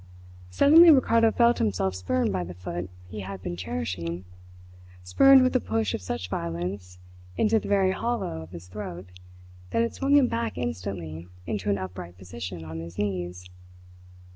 Suddenly Ricardo felt himself spurned by the foot he had been cherishing spurned with a push of such violence into the very hollow of his throat that it swung him back instantly into an upright position on his knees.